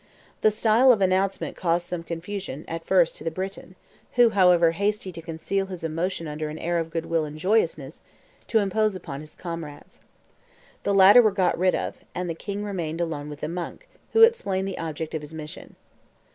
The style of announcement caused some confusion, at first, to the Briton, who, however, hasted to conceal his emotion under an air of good will and joyousness, to impose upon his comrades. The latter were got rid of; and the king remained alone with the monk, who explained the object of his mission.